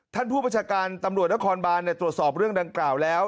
ท่านผู้ประชาการตำรวจนครบานตรวจสอบเรื่องดังกล่าวแล้ว